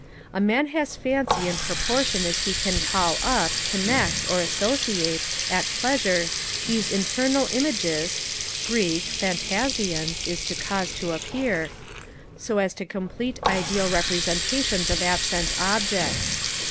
A man has fancy in proportion as he can call up, connect, or associate, at pleasure, those internal images ([Greek: phantazein] is to cause to appear) so as to complete ideal representations of absent objects.